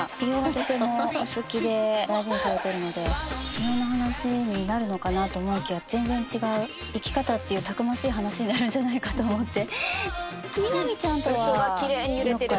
美容の話になるのかなと思いきや全然違う生き方っていうたくましい話になるんじゃないかと思って。